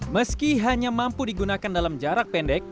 meski hanya mampu digunakan dalam jarak pendek